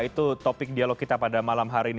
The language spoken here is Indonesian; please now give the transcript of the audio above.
itu topik dialog kita pada malam hari ini